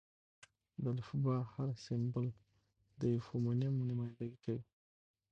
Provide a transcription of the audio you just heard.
د الفبې: هر سېمبول د یوه فونیم نمایندګي کوي.